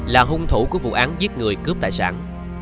là hung thủ của vụ án giết người cướp tài sản